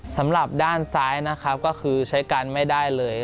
สำหรับด้านซ้ายนะครับก็คือใช้กันไม่ได้เลย